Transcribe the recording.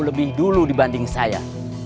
lebih dulu dibanding saya